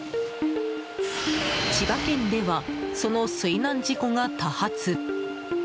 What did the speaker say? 千葉県では、その水難事故が多発。